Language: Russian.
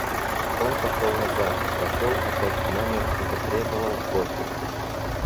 Он пошел назад, вошел опять в номер и потребовал кофе.